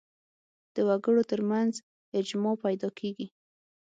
د وګړو تر منځ اجماع پیدا کېږي